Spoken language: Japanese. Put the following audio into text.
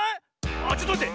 あちょっとまって！